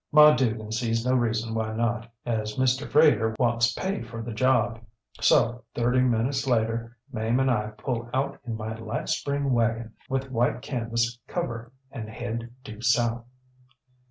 Ma Dugan sees no reason why not, as Mr. Freighter wants pay for the job; so, thirty minutes later Mame and I pull out in my light spring wagon with white canvas cover, and head due south.